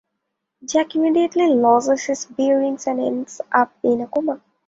Jake immediately loses his bearings and ends up in a coma.